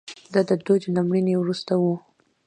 دا د دوج له مړینې وروسته و